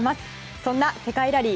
そんな世界ラリー